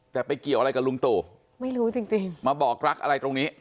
แต่ไปเกี่ยวอะไรกับลุงตู่ไม่รู้จริงจริงมาบอกรักอะไรตรงนี้